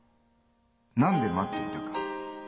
何で待っていたか。